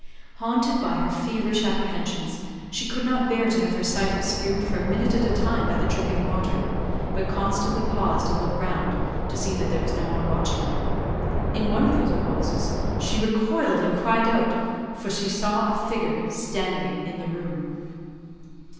Haunted by her feverish apprehensions, she could not bear to have her sight obscured for a minute at a time by the dripping water, but constantly paused and looked round to see that there was no one watching her. In one of those pauses she recoiled and cried out, for she saw a figure standing in the room.